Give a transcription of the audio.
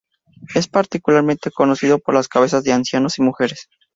Es particularmente conocido por las cabezas de ancianos y mujeres.